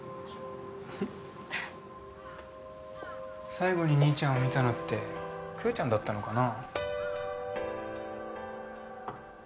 最後に兄ちゃんを見たのってクーちゃんだったのかな？